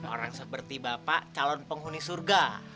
orang seperti bapak calon penghuni surga